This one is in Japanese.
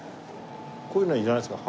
こういうのはいらないですか？